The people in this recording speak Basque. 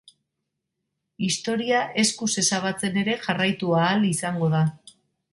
Historia eskuz ezabatzen ere jarraitu ahal izango da.